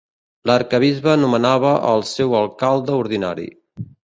L'Arquebisbe nomenava el seu Alcalde Ordinari.